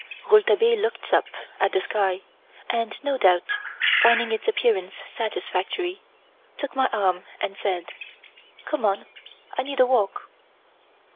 Rouletabille looked up at the sky and, no doubt, finding its appearance satisfactory, took my arm and said: "Come on! I need a walk."